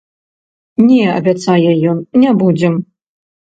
Не, абяцае ён, не будзем.